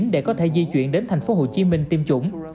để có thể di chuyển đến thành phố hồ chí minh tiêm chủng